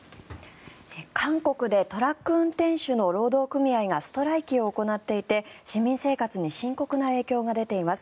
韓国でトラック運転手の労働組合がストライキを行っていて市民生活に深刻な影響が出ています。